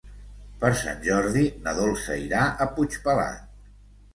Per Sant Jordi na Dolça irà a Puigpelat.